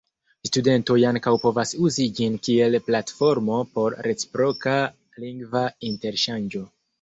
Studentoj ankaŭ povas uzi ĝin kiel platformo por reciproka lingva interŝanĝo.